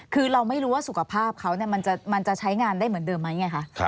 คือเราไม่รู้ว่าสุขภาพเขามันจะใช้งานได้เหมือนเดิมไหมไงคะ